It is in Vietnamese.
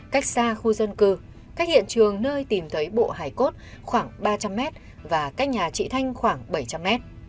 cách xa khu dân cư cách hiện trường nơi tìm thấy bộ hải cốt khoảng ba trăm linh m và cách nhà chị thanh khoảng bảy trăm linh m